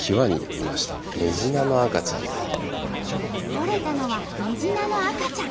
とれたのはメジナの赤ちゃん。